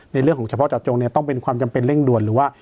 ในเรื่องของเฉพาะเจาะจงเนี่ยต้องเป็นความจำเป็นเร่งด่วนหรือว่า